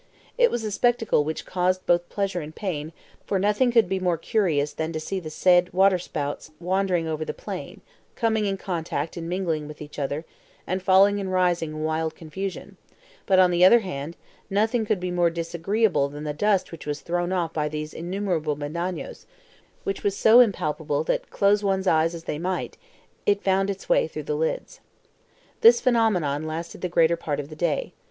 It was a spectacle which caused both pleasure and pain, for nothing could be more curious than to see the said water spouts wandering over the plain, coming in contact and mingling with each other, and falling and rising in wild confusion; but, on the other hand, nothing could be more disagreeable than the dust which was thrown off by these innumerable MEDANOS, which was so impalpable that close one's eyes as they might, it found its way through the lids. This phenomenon lasted the greater part of the day.